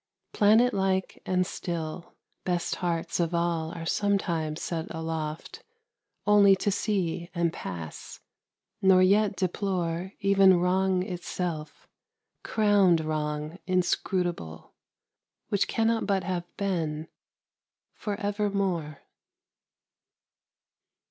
Planet like and still, Best hearts of all are sometimes set aloft Only to see and pass, nor yet deplore Even Wrong itself, crowned Wrong inscrutable, Which cannot but have been, for evermore.